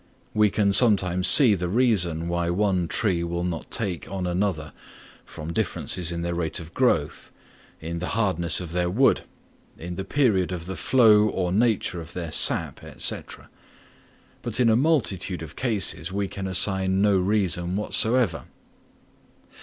We can sometimes see the reason why one tree will not take on another from differences in their rate of growth, in the hardness of their wood, in the period of the flow or nature of their sap, &c. but in a multitude of cases we can assign no reason whatever.